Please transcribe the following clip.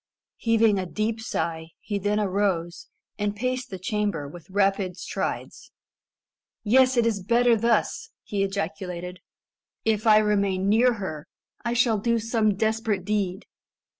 Heaving a deep sigh, he then arose, and paced the chamber with rapid strides. "Yes, it is better thus," he ejaculated. "If I remain near her, I shall do some desperate deed.